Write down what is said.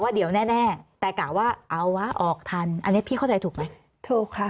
ว่าเดี๋ยวแน่แต่กล่าวว่าเอาออกทันอันนี้พี่เข้าใจถูกมั้ยถูกค่า